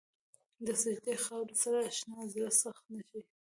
د سجدې خاورې سره اشنا زړه سخت نه شي.